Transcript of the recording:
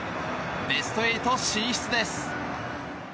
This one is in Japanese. ベスト８進出です。